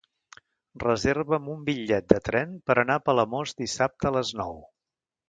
Reserva'm un bitllet de tren per anar a Palamós dissabte a les nou.